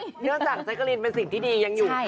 เนื่อยจากจั๊คกะลีนเป็นสิ่งที่ดีอย่างอยุ่ง